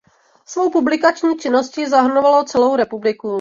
Svou publikační činností zahrnovalo celou republiku.